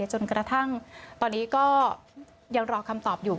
จนกระทั่งตอนนี้ก็ยังรอคำตอบอยู่